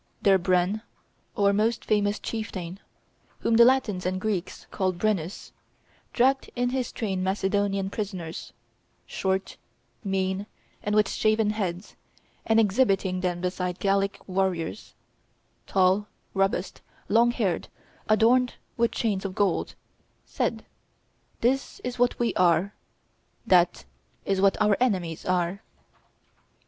Their Brenn, or most famous chieftain, whom the Latins and Greeks call Brennus, dragged in his train Macedonian prisoners, short, mean, and with shaven heads, and exhibiting them beside Gallic warriors, tall, robust, long haired, adorned with chains of gold, said, "This is what we are, that is what our enemies are."